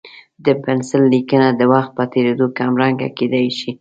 د پنسل لیکنه د وخت په تېرېدو کمرنګه کېدای شي.